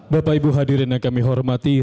bapak ibu hadirin yang kami hormati